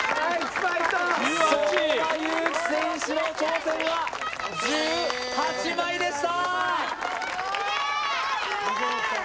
相馬勇紀選手の挑戦は１８枚でした。